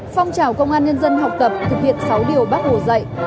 phong trào công an nhân dân học tập thực hiện sáu điều bác hồ dạy